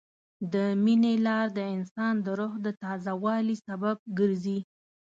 د مینې لار د انسان د روح د تازه والي سبب ګرځي.